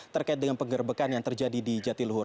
terkait dengan penggerbekan yang terjadi di jatiluhur